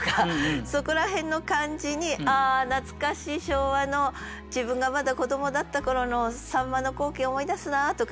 そこら辺の感じに「あ懐かしい昭和の自分がまだ子どもだった頃の秋刀魚の光景思い出すな」とか。